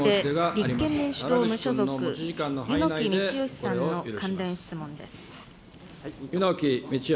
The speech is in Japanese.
続いて立憲民主党・無所属、柚木道義さんの関連質問です。